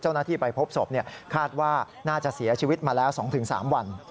เจ้าหน้าที่ไปพบศพคาดว่าน่าจะเสียชีวิตมาแล้ว๒๓วัน